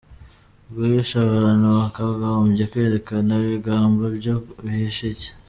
Guhisha abantu bakagobye kwerekana bigamba byo bihishe iki?